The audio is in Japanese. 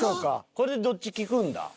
これでどっち聞くんだ？